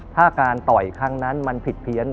ถ้าการต่อยครั้งนั้นมันผิดเพี้ยน